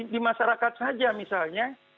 di masyarakat saja misalnya